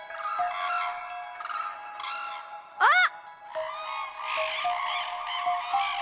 あっ！